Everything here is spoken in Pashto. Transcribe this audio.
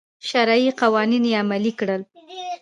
شرعي قوانین یې عملي کړل.